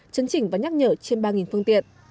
chấn chỉnh và nhắc nhở trên ba phương tiện